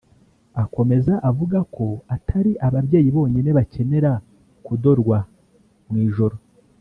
Akomeza avuga ko atari ababyeyi bonyine bakenera kudodwa mu ijoro